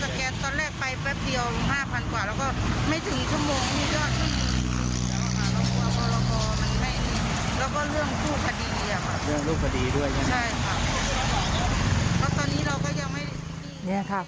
เรื่องลูกคดีด้วยอย่างงี้ครับ